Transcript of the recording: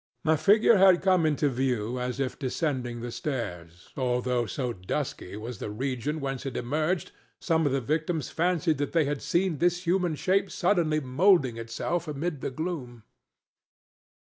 A figure had come into view as if descending the stairs, although so dusky was the region whence it emerged some of the spectators fancied that they had seen this human shape suddenly moulding itself amid the gloom.